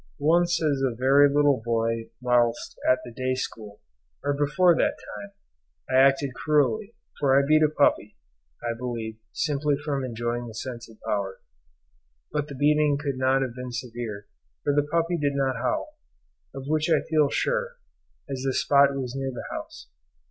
Once as a very little boy whilst at the day school, or before that time, I acted cruelly, for I beat a puppy, I believe, simply from enjoying the sense of power; but the beating could not have been severe, for the puppy did not howl, of which I feel sure, as the spot was near the house.